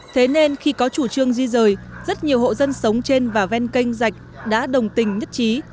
thế nên khi có chủ trương di rời rất nhiều hộ dân sống trên và ven kênh dạch đã đồng tình nhất trí